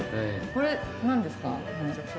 これ、何ですか。